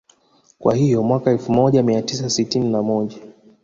Kwa hiyo Mwaka elfu moja mia tisa sitini na moja